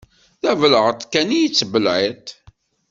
D abelεeṭ kan i tettbelεiṭ.